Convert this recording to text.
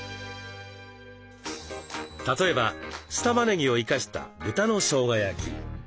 例えば酢たまねぎを生かした豚のしょうが焼き。